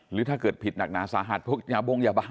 หรือถ้าเกิดผิดหนักหนาสาหัสพวกยาบ้งยาบ้า